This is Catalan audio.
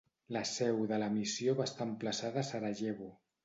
La seu de la missió va estar emplaçada a Sarajevo.